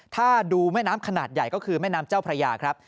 ถ้าดูแม่น้ำขนาดใหญ่ก็คือแม่น้ำเจ้าพระยาครับ